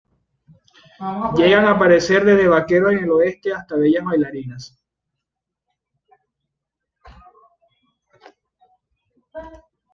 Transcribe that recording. Llegan a aparecer desde vaqueros en el Oeste hasta bellas bailarinas.